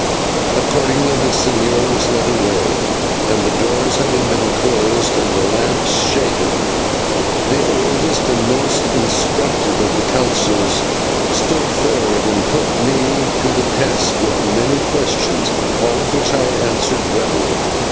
Accordingly the señor was led away, and, the doors having been closed and the lamps shaded, the oldest and most instructed of the councillors stood forward and put me to the test with many questions, all of which I answered readily.